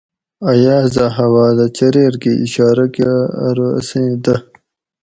ایازھہ ھوا دہ چریر کہ اِشارہ کا ارو اسیں دہ